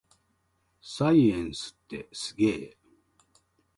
サイエンスってすげぇ